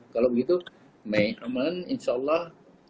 kalau begitu mei aman insya allah